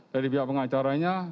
dari pihak pengacaranya